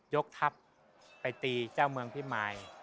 ยกทัพไปตีเจ้าเมืองพิมาย